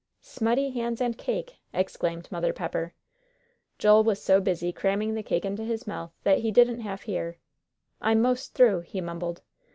"Smutty hands and cake!" exclaimed Mother Pepper. Joel was so busy cramming the cake into his mouth that he didn't half hear. "I'm most through," he mumbled.